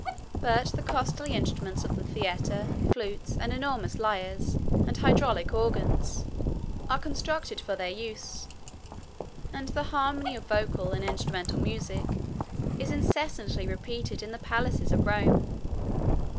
48 But the costly instruments of the theatre, flutes, and enormous lyres, and hydraulic organs, are constructed for their use; and the harmony of vocal and instrumental music is incessantly repeated in the palaces of Rome.